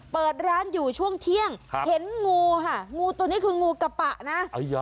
เปิดร้านอยู่ช่วงเที่ยงเห็นงูค่ะงูตัวนี้คืองูกระปะนะ